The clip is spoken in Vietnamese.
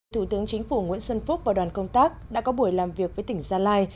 thủ tướng chính phủ nguyễn xuân phúc và đoàn công tác đã có buổi làm việc với tỉnh gia lai